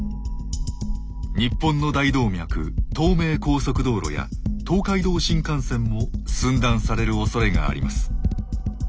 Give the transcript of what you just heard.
日本の大動脈東名高速道路や東海道新幹線も寸断されるおそれがあります。